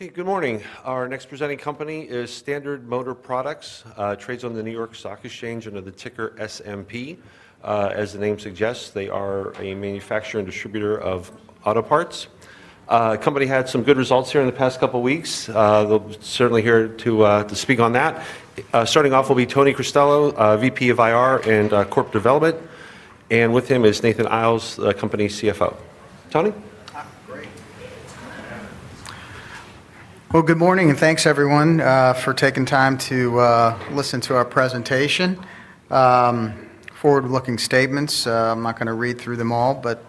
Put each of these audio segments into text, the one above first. Good morning. Our next presenting company is Standard Motor Products, trades on the New York Stock Exchange under the ticker SMP. As the name suggests, they are a manufacturer and distributor of auto parts. The company had some good results here in the past couple of weeks. They'll be certainly here to speak on that. Starting off will be Tony Cristello, Vice President of Investor Relations and Corporate Development. With him is Nathan Iles, the company's CFO. Tony? Good morning and thanks, everyone, for taking time to listen to our presentation. Forward-looking statements. I'm not going to read through them all, but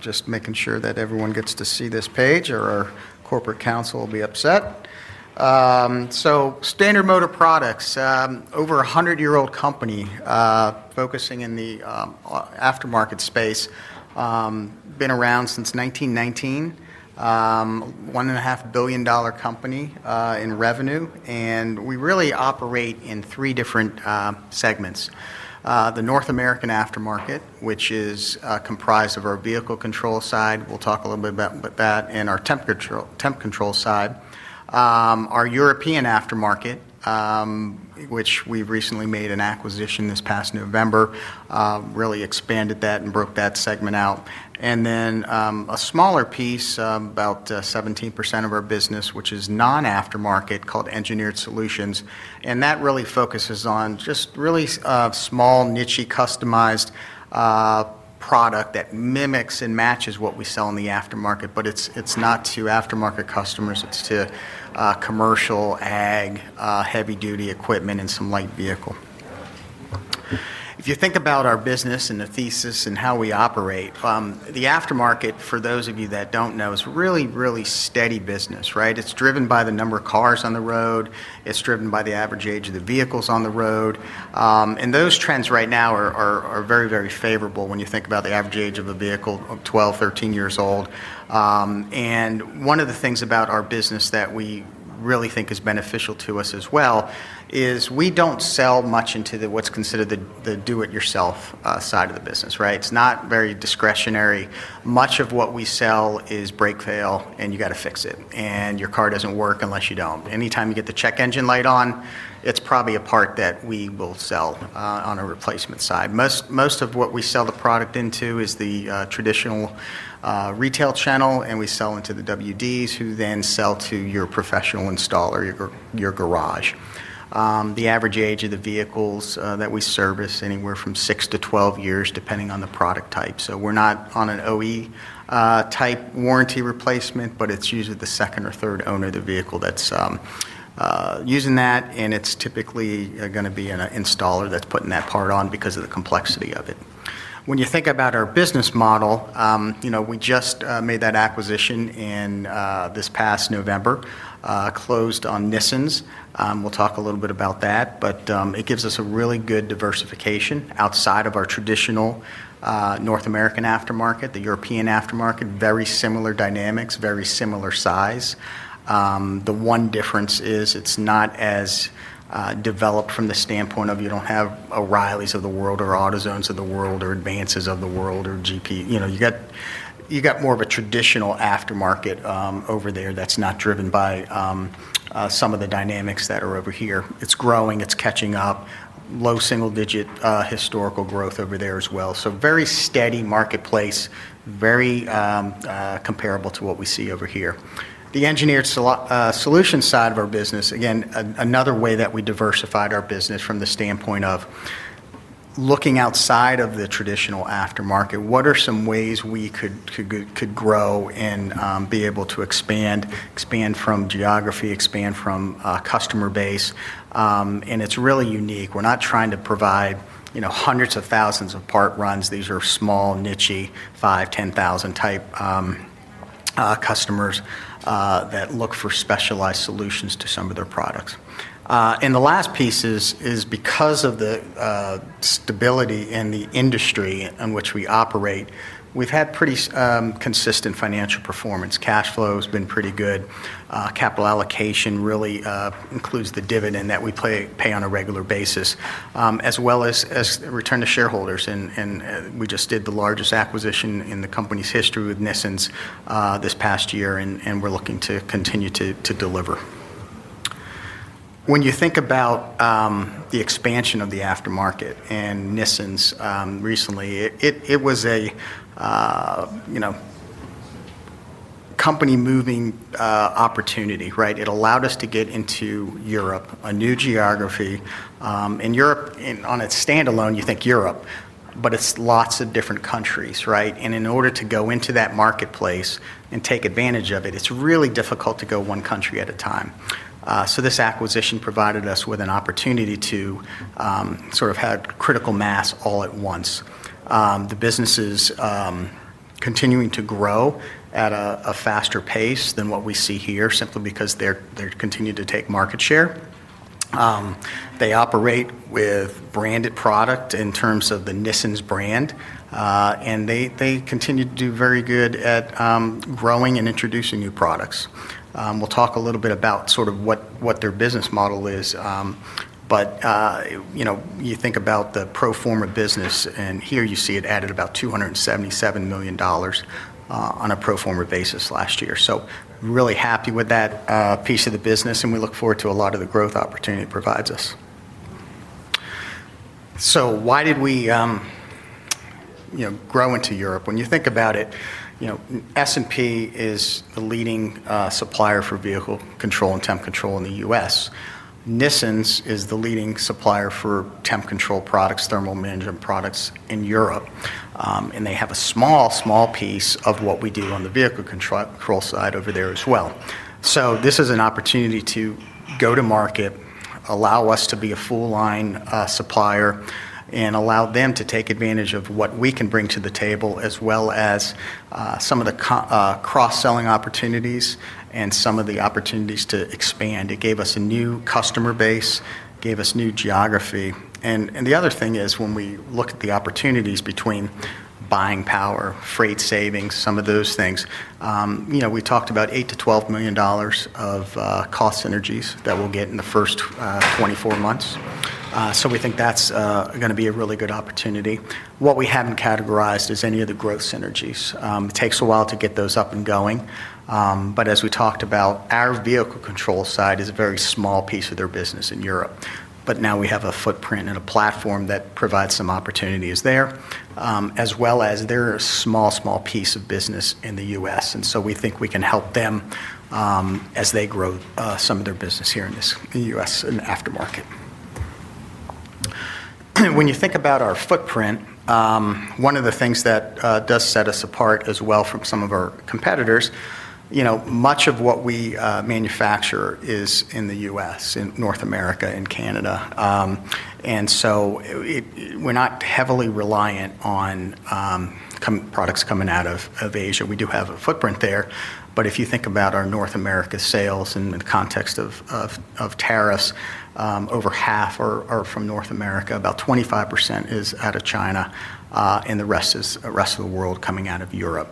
just making sure that everyone gets to see this page or our corporate counsel will be upset. Standard Motor Products, over a hundred-year-old company, focusing in the aftermarket space. Been around since 1919. $1.5 billion company in revenue. We really operate in three different segments: the North American aftermarket, which is comprised of our Vehicle Control side—we'll talk a little bit about that—and our Temperature Control side; our European aftermarket, which we've recently made an acquisition this past November, really expanded that and broke that segment out; and then a smaller piece, about 17% of our business, which is non-aftermarket called Engineered Solutions. That really focuses on just really small, niche, customized product that mimics and matches what we sell in the aftermarket, but it's not to aftermarket customers. It's to commercial ag, heavy-duty equipment, and some light vehicle. If you think about our business and the thesis and how we operate, the aftermarket, for those of you that don't know, is really, really steady business, right? It's driven by the number of cars on the road. It's driven by the average age of the vehicles on the road, and those trends right now are very, very favorable when you think about the average age of a vehicle, 12, 13 years old. One of the things about our business that we really think is beneficial to us as well is we don't sell much into what's considered the do-it-yourself side of the business, right? It's not very discretionary. Much of what we sell is break-fail and you got to fix it. Your car doesn't work unless you don't. Anytime you get the check engine light on, it's probably a part that we will sell on a replacement side. Most of what we sell the product into is the traditional retail channel, and we sell into the WDS, who then sell to your professional installer, your garage. The average age of the vehicles that we service is anywhere from six to 12 years, depending on the product type. We're not on an OE type warranty replacement, but it's usually the second or third owner of the vehicle that's using that. It's typically going to be an installer that's putting that part on because of the complexity of it. When you think about our business model, you know, we just made that acquisition in this past November, closed on Nissens. We'll talk a little bit about that, but it gives us a really good diversification outside of our traditional North American aftermarket. The European aftermarket, very similar dynamics, very similar size. The one difference is it's not as developed from the standpoint of you don't have O'Reilly's of the world or AutoZone's of the world or Advance's of the world or GP. You know, you got more of a traditional aftermarket over there that's not driven by some of the dynamics that are over here. It's growing, it's catching up, low single-digit, historical growth over there as well. Very steady marketplace, very comparable to what we see over here. The engineered solutions side of our business, again, another way that we diversified our business from the standpoint of looking outside of the traditional aftermarket, what are some ways we could grow and be able to expand, expand from geography, expand from customer base. It's really unique. We're not trying to provide, you know, hundreds of thousands of part runs. These are small, niche, five, ten thousand type customers that look for specialized solutions to some of their products. The last piece is because of the stability in the industry in which we operate, we've had pretty consistent financial performance. Cash flow has been pretty good. Capital allocation really includes the dividend that we pay on a regular basis, as well as return to shareholders. We just did the largest acquisition in the company's history with Nissens this past year, and we're looking to continue to deliver. When you think about the expansion of the aftermarket and Nissens recently, it was a, you know, company moving opportunity, right? It allowed us to get into Europe, a new geography. In Europe, on its standalone, you think Europe, but it's lots of different countries, right? In order to go into that marketplace and take advantage of it, it's really difficult to go one country at a time. This acquisition provided us with an opportunity to sort of have critical mass all at once. The business is continuing to grow at a faster pace than what we see here, simply because they're continuing to take market share. They operate with branded product in terms of the Nissens brand. They continue to do very good at growing and introducing new products. We'll talk a little bit about sort of what their business model is. You think about the pro forma business, and here you see it added about $277 million on a pro forma basis last year. Really happy with that piece of the business, and we look forward to a lot of the growth opportunity it provides us. Why did we grow into Europe? When you think about it, Standard Motor Products is the leading supplier for Vehicle Control and Temperature Control in the U.S. Nissens Automotive is the leading supplier for Temperature Control products, thermal management products in Europe, and they have a small piece of what we do on the Vehicle Control side over there as well. This is an opportunity to go to market, allow us to be a full-line supplier, and allow them to take advantage of what we can bring to the table, as well as some of the cross-selling opportunities and some of the opportunities to expand. It gave us a new customer base, gave us new geography. The other thing is when we look at the opportunities between buying power, freight savings, some of those things, we talked about $8 million - $12 million of cost synergies that we'll get in the first 24 months. We think that's going to be a really good opportunity. What we haven't categorized is any of the growth synergies. It takes a while to get those up and going. As we talked about, our Vehicle Control side is a very small piece of their business in Europe, but now we have a footprint and a platform that provides some opportunities there, as well as they're a small piece of business in the U.S. We think we can help them as they grow some of their business here in the U.S. and aftermarket. When you think about our footprint, one of the things that does set us apart as well from some of our competitors, much of what we manufacture is in the U.S., in North America, in Canada, and so we're not heavily reliant on products coming out of Asia. We do have a footprint there. If you think about our North America sales in the context of tariffs, over half are from North America. About 25% is out of China, and the rest is the rest of the world coming out of Europe.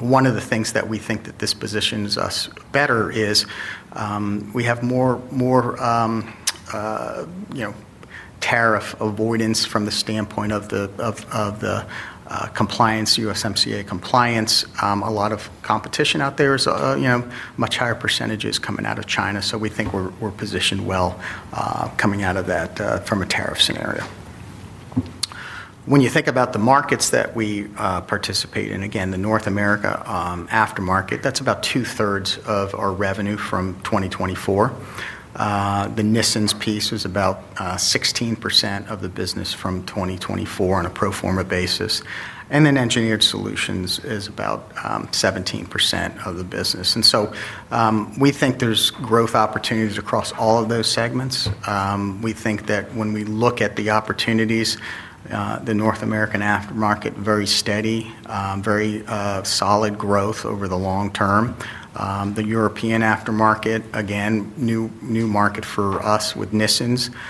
One of the things that we think that this positions us better is we have more tariff avoidance from the standpoint of the compliance, USMCA compliance. A lot of competition out there is, you know, much higher percentages coming out of China. We think we're positioned well coming out of that, from a tariff scenario. When you think about the markets that we participate in, again, the North America aftermarket, that's about two-thirds of our revenue from 2024. The Nissens Automotive piece was about 16% of the business from 2024 on a pro forma basis. Engineered Solutions is about 17% of the business. We think there's growth opportunities across all of those segments. We think that when we look at the opportunities, the North American aftermarket, very steady, very solid growth over the long term. The European aftermarket, again, new market for us with Nissens Automotive.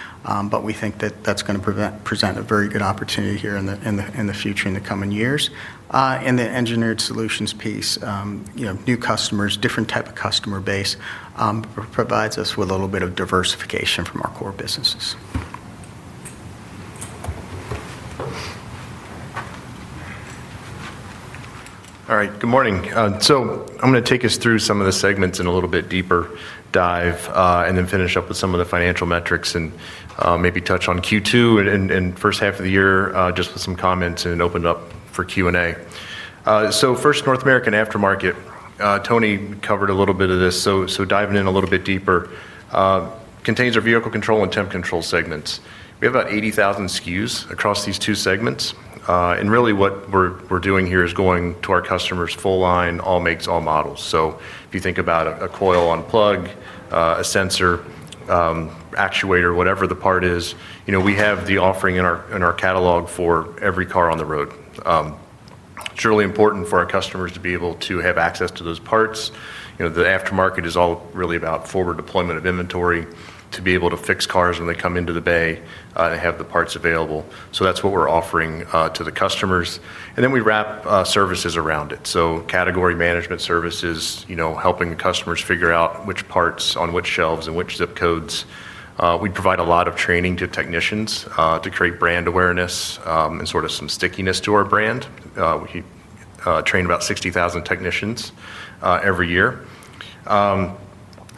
We think that that's going to present a very good opportunity here in the future, in the coming years. The Engineered Solutions piece, you know, new customers, different type of customer base, provides us with a little bit of diversification from our core businesses. All right, good morning. I'm going to take us through some of the segments in a little bit deeper dive, and then finish up with some of the financial metrics and maybe touch on Q2 and first half of the year, just with some comments and open it up for Q&A. First, North American aftermarket, Tony covered a little bit of this. Diving in a little bit deeper, it contains our Vehicle Control and Temperature Control segments. We have about 80,000 SKUs across these two segments. What we're doing here is going to our customers full line, all makes, all models. If you think about a coil on plug, a sensor, actuator, whatever the part is, we have the offering in our catalog for every car on the road. It's really important for our customers to be able to have access to those parts. The aftermarket is all really about forward deployment of inventory to be able to fix cars when they come into the bay, to have the parts available. That's what we're offering to the customers. We wrap services around it, so category management services, helping customers figure out which parts on which shelves and which zip codes. We provide a lot of training to technicians to create brand awareness and sort of some stickiness to our brand. We train about 60,000 technicians every year.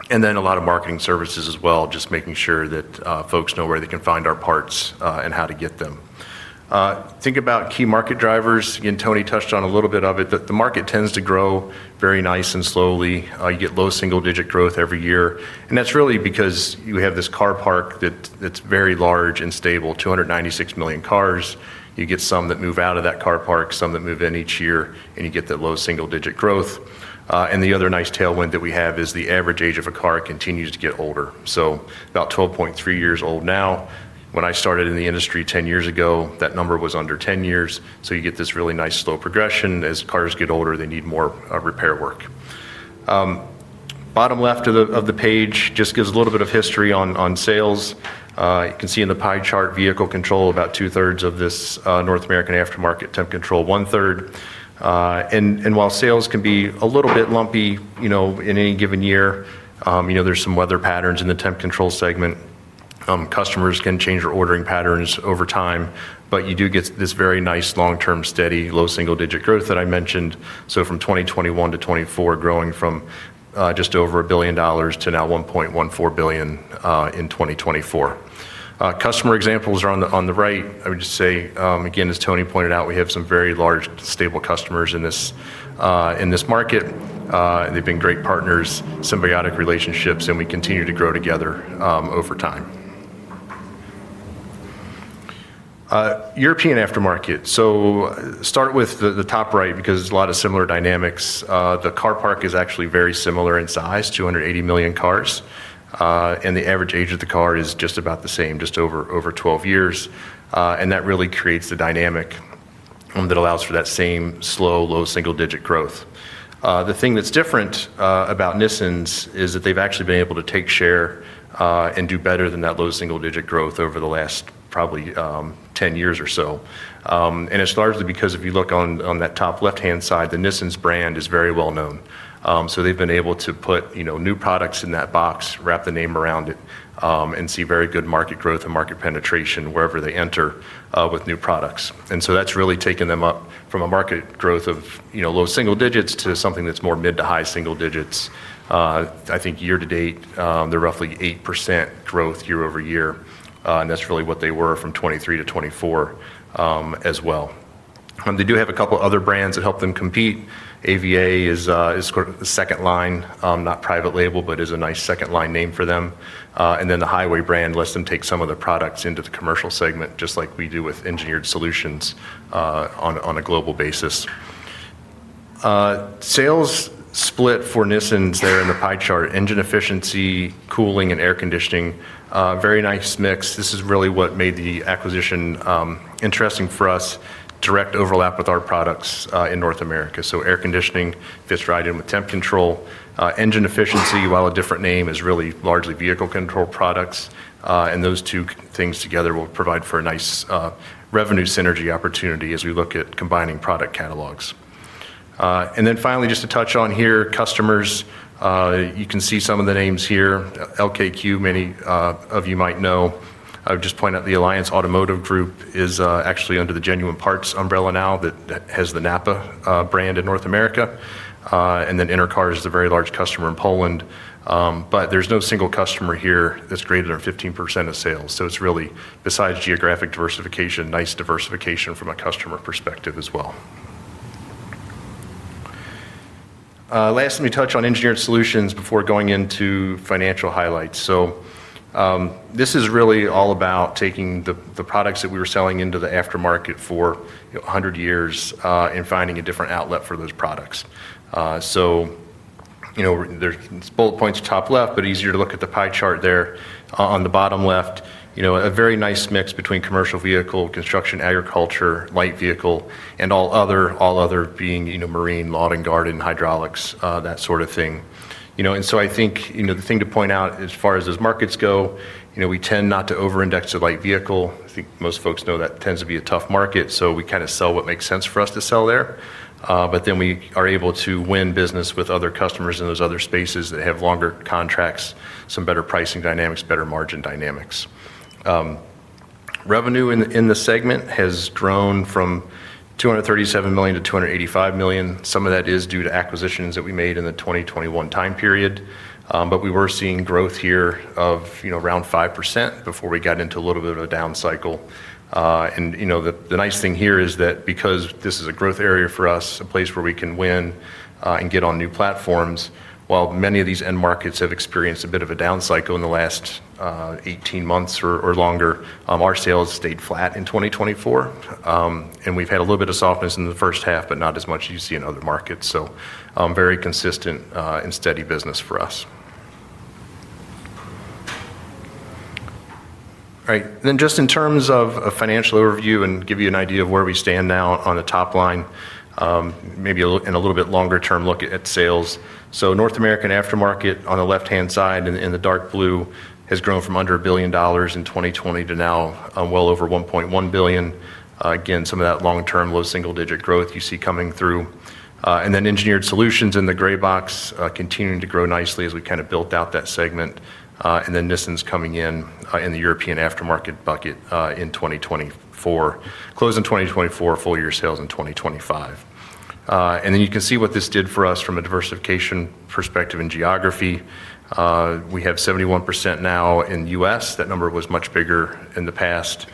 There are a lot of marketing services as well, just making sure that folks know where they can find our parts and how to get them. Think about key market drivers. Again, Tony touched on a little bit of it, but the market tends to grow very nice and slowly. You get low single-digit growth every year. That's really because you have this car park that's very large and stable, 296 million cars. You get some that move out of that car park, some that move in each year, and you get that low single-digit growth. The other nice tailwind that we have is the average age of a car continues to get older, so about 12.3 years old now. When I started in the industry 10 years ago, that number was under 10 years. You get this really nice slow progression. As cars get older, they need more repair work. Bottom left of the page just gives a little bit of history on sales. You can see in the pie chart Vehicle Control, about two-thirds of this, North American aftermarket Temperature Control, one-third. While sales can be a little bit lumpy in any given year, there are some weather patterns in the Temperature Control segment. Customers can change their ordering patterns over time, but you do get this very nice long-term steady low single-digit growth that I mentioned. From 2021 - 2024, growing from just over $1 billion to now $1.14 billion in 2024. Customer examples are on the right. I would just say, again, as Tony Cristello pointed out, we have some very large stable customers in this market. They've been great partners, symbiotic relationships, and we continue to grow together over time. European aftermarket. Start with the top right because there's a lot of similar dynamics. The car park is actually very similar in size, 280 million cars, and the average age of the car is just about the same, just over 12 years. That really creates the dynamic that allows for that same slow, low single-digit growth. The thing that's different about Nissens Automotive is that they've actually been able to take share and do better than that low single-digit growth over the last probably 10 years or so. It's largely because if you look on that top left-hand side, the Nissens Automotive brand is very well known. They've been able to put new products in that box, wrap the name around it, and see very good market growth and market penetration wherever they enter with new products. That's really taken them up from a market growth of low single digits to something that's more mid to high single digits. I think year to date, they're roughly 8% growth year over year, and that's really what they were from 2023 to 2024 as well. They do have a couple other brands that help them compete. AVA is the second line, not private label, but is a nice second line name for them. The Highway brand lets them take some of their products into the commercial segment, just like we do with Engineered Solutions on a global basis. Sales split for Nissens Automotive there in the pie chart: engine efficiency, cooling, and air conditioning. Very nice mix. This is really what made the acquisition interesting for us, direct overlap with our products in North America. Air conditioning fits right in with Temperature Control. Engine efficiency, while a different name, is really largely Vehicle Control products. Those two things together will provide for a nice revenue synergy opportunity as we look at combining product catalogs. Finally, just to touch on customers, you can see some of the names here. LKQ, many of you might know. I would just point out the Alliance Automotive Group is actually under the Genuine Parts umbrella now that has the NAPA brand in North America. Intercar is a very large customer in Poland. There is no single customer here that's greater than 15% of sales. It is really, besides geographic diversification, nice diversification from a customer perspective as well. Last, let me touch on Engineered Solutions before going into financial highlights. This is really all about taking the products that we were selling into the aftermarket for a hundred years and finding a different outlet for those products. There are bullet points top left, but it's easier to look at the pie chart there. On the bottom left, there is a very nice mix between commercial vehicle, construction, agriculture, light vehicle, and all other, all other being marine, lawn and garden hydraulics, that sort of thing. The thing to point out as far as those markets go, we tend not to over-index the light vehicle. Most folks know that tends to be a tough market. We kind of sell what makes sense for us to sell there. We are able to win business with other customers in those other spaces that have longer contracts, some better pricing dynamics, better margin dynamics. Revenue in the segment has grown from $237 million - $285 million. Some of that is due to acquisitions that we made in the 2021 time period. We were seeing growth here of around 5% before we got into a little bit of a down cycle. The nice thing here is that because this is a growth area for us, a place where we can win and get on new platforms, while many of these end markets have experienced a bit of a down cycle in the last 18 months or longer, our sales stayed flat in 2024. We've had a little bit of softness in the first half, but not as much as you see in other markets. Very consistent and steady business for us. All right, just in terms of a financial overview and to give you an idea of where we stand now on the top line, maybe in a little bit longer term look at sales. North American aftermarket on the left-hand side in the dark blue has grown from under $1 billion in 2020 to now well over $1.1 billion. Again, some of that long-term low single-digit growth you see coming through. Engineered Solutions in the gray box continues to grow nicely as we have built out that segment. Nissens Automotive is coming in, in the European aftermarket bucket, in 2024, closing 2024, full-year sales in 2025. You can see what this did for us from a diversification perspective in geography. We have 71% now in the U.S. That number was much bigger in the past.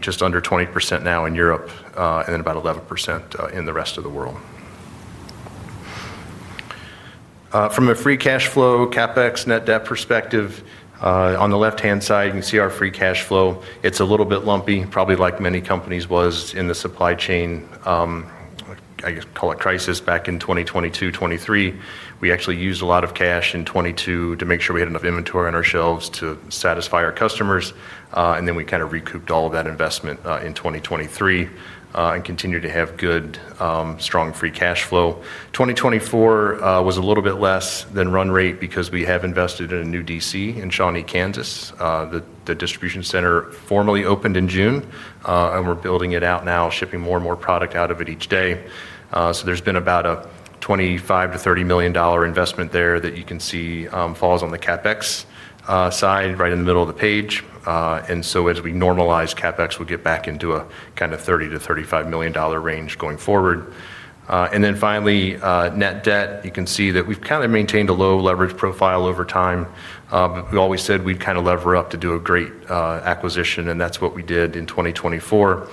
Just under 20% now in Europe, and then about 11% in the rest of the world. From a free cash flow, CapEx, net debt perspective, on the left-hand side, you can see our free cash flow. It's a little bit lumpy, probably like many companies were in the supply chain, I guess call it crisis, back in 2022-2023. We actually used a lot of cash in 2022 to make sure we had enough inventory on our shelves to satisfy our customers. We recouped all of that investment in 2023 and continued to have good, strong free cash flow. 2024 was a little bit less than run rate because we have invested in a new distribution center in Shawnee, Kansas. The distribution center formally opened in June, and we're building it out now, shipping more and more product out of it each day. There has been about a $25 - $30 million investment there that you can see falls on the CapEx side right in the middle of the page. As we normalize CapEx, we'll get back into a kind of $30 to $35 million range going forward. Finally, net debt, you can see that we've maintained a low leverage profile over time. We always said we'd lever up to do a great acquisition, and that's what we did in 2024.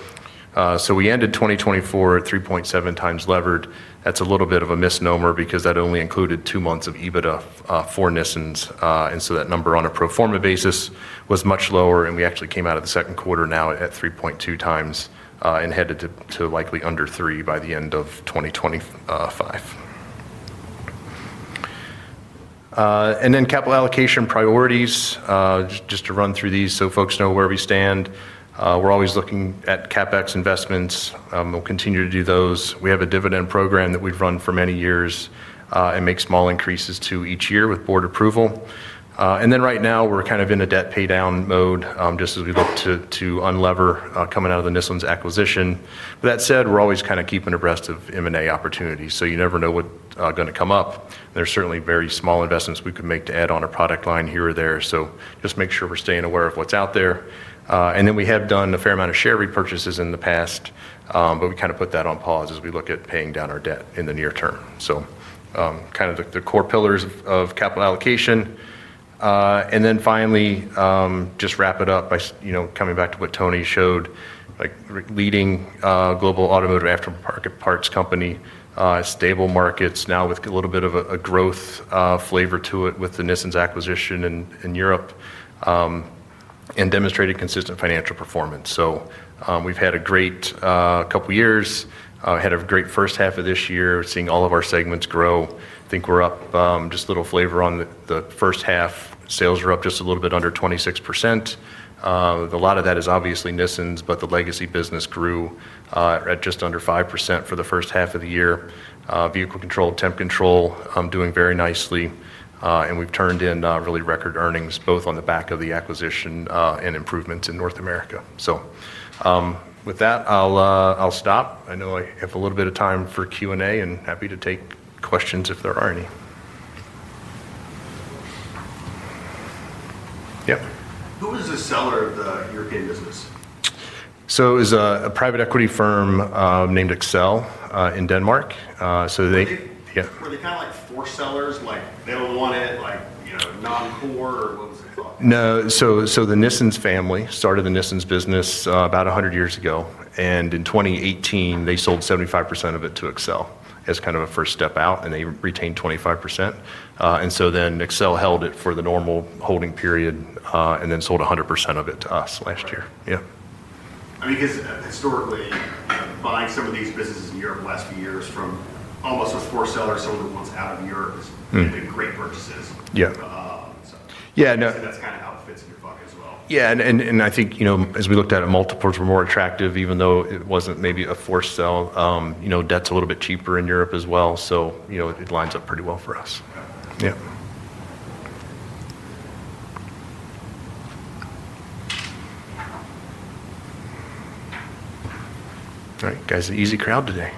We ended 2024 at 3.7 times levered. That's a little bit of a misnomer because that only included two months of EBITDA for Nissens Automotive. That number on a pro forma basis was much lower, and we actually came out of the second quarter now at 3.2 times, and headed to likely under three by the end of 2025. Capital allocation priorities, just to run through these so folks know where we stand. We're always looking at CapEx investments. We'll continue to do those. We have a dividend program that we've run for many years, and make small increases to each year with board approval. Right now we're kind of in a debt paydown mode, just as we look to unlever, coming out of the Nissens Automotive acquisition. That said, we're always kind of keeping abreast of M&A opportunities. You never know what's going to come up. There's certainly very small investments we could make to add on a product line here or there, just to make sure we're staying aware of what's out there. We have done a fair amount of share repurchases in the past, but we kind of put that on pause as we look at paying down our debt in the near term. These are kind of the core pillars of capital allocation. Finally, just to wrap it up by coming back to what Tony showed, like leading, global automotive aftermarket parts company, stable markets now with a little bit of a growth flavor to it with the Nissens Automotive acquisition in Europe, and demonstrated consistent financial performance. We've had a great couple of years, had a great first half of this year, seeing all of our segments grow. I think we're up, just a little flavor on the first half. Sales were up just a little bit under 26%. A lot of that is obviously Nissens Automotive, but the legacy business grew at just under 5% for the first half of the year. Vehicle Control, Temperature Control, doing very nicely. We've turned in really record earnings both on the back of the acquisition and improvements in North America. With that, I'll stop. I know I have a little bit of time for Q&A and happy to take questions if there are any. Yeah. Who is the seller of the European business? It was a private equity firm, named Axcel, in Denmark. Yeah. Were they kind of like for sellers? No, the Nissens family started the Nissens Automotive business about 100 years ago. In 2018, they sold 75% of it to Axcel as kind of a first step out, and they retained 25%. Axcel held it for the normal holding period and then sold 100% of it to us last year. Yeah. Because historically, buying some of these businesses a year over the last few years from almost those former sellers who sold the ones out of the year has been great for us. Yeah, no. I think, you know, as we looked at it, multiples were more attractive, even though it wasn't maybe a for sale. You know, debt's a little bit cheaper in Europe as well. It lines up pretty well for us. All right, guys, an easy crowd today.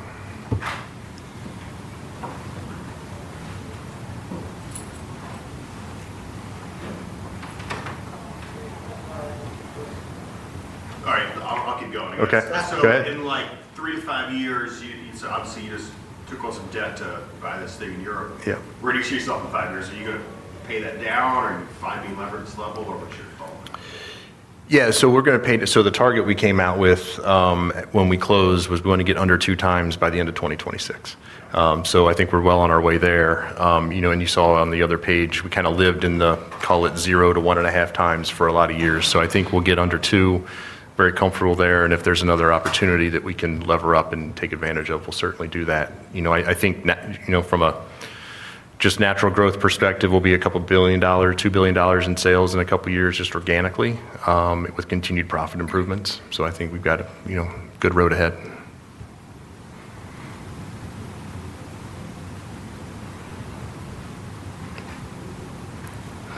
I'll keep going. Okay. In like three - five years, you think, obviously you took on some debt to buy this thing in Europe. Where do you see yourself in five years? Are you going to pay that down or? Yeah, we're going to pay it. The target we came out with when we closed was to get under two times by the end of 2026. I think we're well on our way there. You saw on the other page, we kind of lived in the, call it zero to one and a half times for a lot of years. I think we'll get under two, very comfortable there. If there's another opportunity that we can lever up and take advantage of, we'll certainly do that. I think from a just natural growth perspective, we'll be a couple billion dollars, $2 billion in sales in a couple of years, just organically, with continued profit improvements. I think we've got a good road ahead.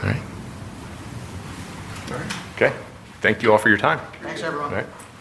All right. All right. Okay. Thank you all for your time. Thanks, everyone. All right.